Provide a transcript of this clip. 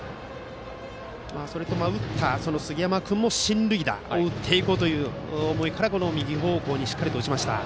打った杉山君も、進塁打を打っていこうという思いから右方向にしっかり打ちましたね。